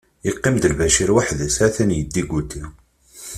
Yeqqim-d Lbacir waḥd-s, ha-t-an yeddiguti.